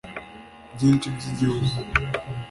byinshi by'igihugu